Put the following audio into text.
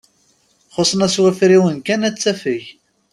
Xusen-as wafriwen kan ad tafeg.